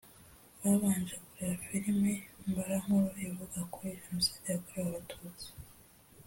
babanje kureba filimi mbarankuru ivuga kuri Jenoside yakorewe Abatutsi